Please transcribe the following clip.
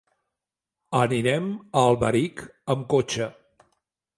Anirem a Alberic amb cotxe.